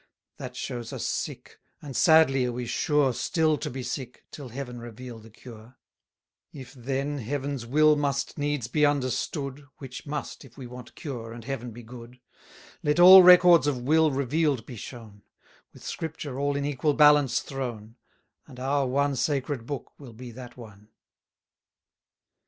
That shows us sick; and sadly are we sure Still to be sick, till Heaven reveal the cure: 120 If, then, Heaven's will must needs be understood (Which must, if we want cure, and Heaven be good), Let all records of will reveal'd be shown; With Scripure all in equal balance thrown, And our one Sacred Book will be that one.